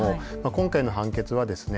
今回の判決はですね